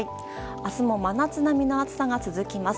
明日も真夏並みの暑さが続きます。